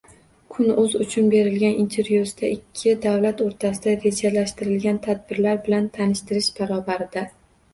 Kun.uz uchun bergan intervyusida ikki davlat o‘rtasida rejalashtirilgan tadbirlar bilan tanishtirish barobarida